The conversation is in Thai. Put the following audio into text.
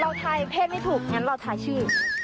เราถ่ายเพศไม่ถูกงั้นเราถ่ายชื่อ